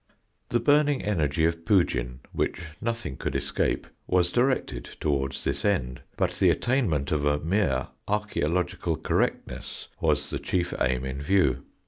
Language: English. The burning energy of Pugin, which nothing could escape, was directed towards this end, but the attainment of a mere archæological correctness was the chief aim in view.